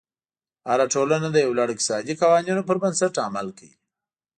هره ټولنه د یو لړ اقتصادي قوانینو پر بنسټ عمل کوي.